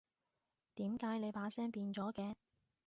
點解你把聲變咗嘅？